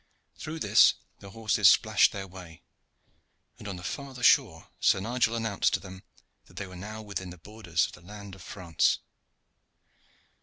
Through this the horses splashed their way, and on the farther shore Sir Nigel announced to them that they were now within the borders of the land of France.